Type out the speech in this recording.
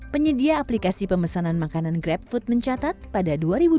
penyedia aplikasi pemesanan makanan grab food mencatat pada dua ribu dua puluh